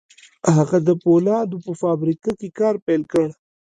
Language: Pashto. هغه د پولادو په فابريکه کې کار پيل کړ.